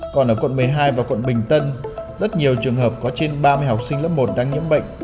còn ở quận một mươi hai và quận bình tân rất nhiều trường hợp có trên ba mươi học sinh lớp một đang nhiễm bệnh